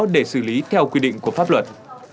để xử lý theo quy định của pháp luật